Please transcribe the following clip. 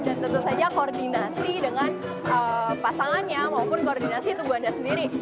dan tentu saja koordinasi dengan pasangannya maupun koordinasi tubuh anda sendiri